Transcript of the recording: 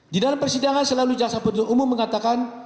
di dalam persidangan selalu jasa penutup umum mengatakan